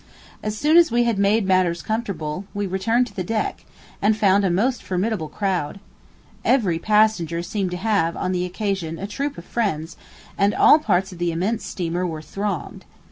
As soon as we had made matters comfortable, we returned to the deck, and found a most formidable crowd. Every passenger seemed to have, on the occasion, a troop of friends, and all parts of the immense steamer were thronged.